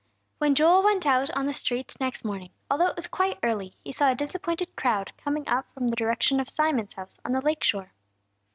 WHEN Joel went out on the streets next morning, although it was quite early, he saw a disappointed crowd coming up from the direction of Simon's house on the lake shore.